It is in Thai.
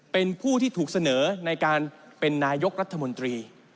เป็นผู้ที่ถูกเสนอในการเป็นนายกรัฐมนตรี